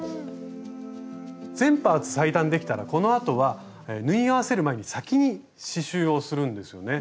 全パーツ裁断できたらこのあとは縫い合わせる前に先に刺しゅうをするんですよね。